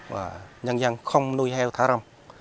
và nhân dân không nuôi heo thả rông